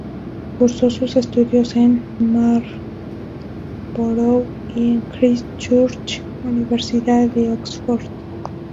Cursó sus estudios en Marlborough y en Christ Church, Universidad de Oxford.